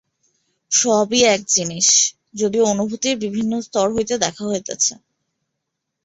সবই এক জিনিষ, যদিও অনুভূতির বিভিন্ন স্তর হইতে দেখা হইতেছে।